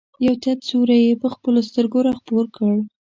یو تت سیوری یې په خپلو سترګو را خپور کړ.